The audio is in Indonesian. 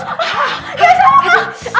hah ya itu